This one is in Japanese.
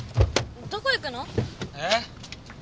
どこ行くの？え？